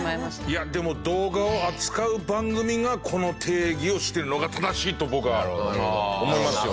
いやでも動画を扱う番組がこの提起をしてるのが正しいと僕は思いますよ。